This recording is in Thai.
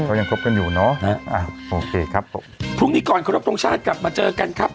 ยังคบกันอยู่เนอะนะฮะอ้าวโอเคครับผมพรุ่งนี้ก่อนครบทรงชาติกลับมาเจอกันครับ